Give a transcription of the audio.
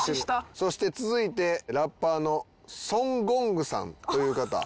そして続いてラッパーの孫ＧＯＮＧさんという方。